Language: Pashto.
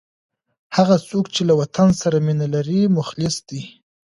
هغه څوک چي له وطن سره مینه لري، مخلص دی.